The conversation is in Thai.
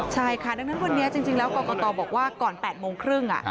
ใช่ค่ะดังนั้นวันนี้จริงแล้วกรกตบอกว่าก่อน๘โมงครึ่ง